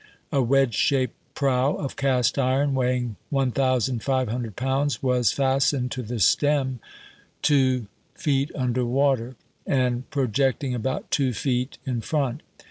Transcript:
A wedge shaped prow of east iron, weighing 1500 pounds, was fastened to the stem two feet under water, and projecting about two feet in front.